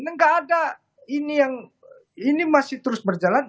enggak ada ini yang masih terus berjalan